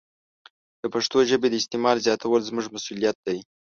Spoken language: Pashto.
د پښتو ژبې د استعمال زیاتول زموږ مسوولیت دی.